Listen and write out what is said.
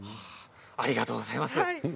ありがとうございます。